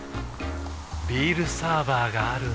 ビールサーバーがある夏。